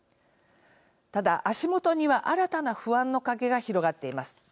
ただ、足元には新たな不安の影が広がっています。